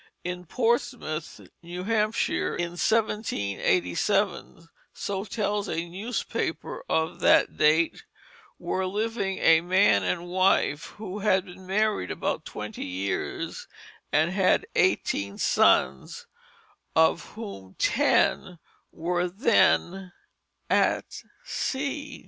In Portsmouth, New Hampshire, in 1787, so tells a newspaper of that date, were living a man and wife who had been married about twenty years, and had eighteen sons, of whom ten were then at sea.